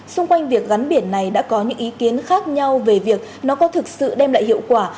xung quanh việc gắn biển này đã có những ý kiến khác nhau về việc nó có thực sự đem lại hiệu quả